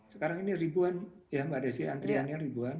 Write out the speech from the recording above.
sekarang ini ribuan ya mbak desi antriannya ribuan